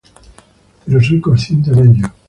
Pero soy consciente de ello.